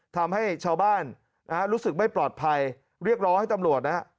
ทำให้ชาวบ้านนะฮะรู้สึกไม่ปลอดภัยเรียกร้องให้ตำรวจนะฮะ